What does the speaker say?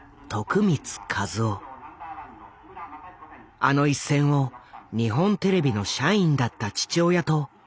あの一戦を日本テレビの社員だった父親と共に見ていた。